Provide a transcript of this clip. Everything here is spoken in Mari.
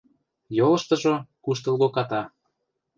Йолыштыжо куштылго ката.